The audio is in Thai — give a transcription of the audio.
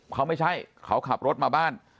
เขาไม่ใช่เขาขับรถมาบ้าน